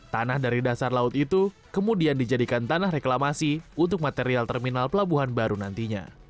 tanah dari dasar laut itu kemudian dijadikan tanah reklamasi untuk material terminal pelabuhan baru nantinya